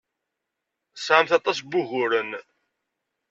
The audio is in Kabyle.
Tesɛamt aṭas n wuguren.